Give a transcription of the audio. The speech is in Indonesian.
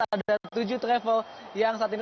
ada tujuh travel yang saat ini